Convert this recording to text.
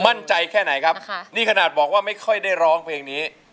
มั่นใจแค่ไหนครับนี่ขนาดบอกว่าไม่ค่อยได้ร้องเพลงนี้